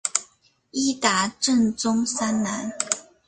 伊达政宗三男。